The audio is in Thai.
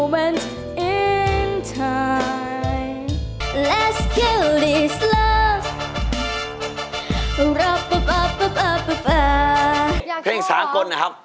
เพลงสากลนะครับ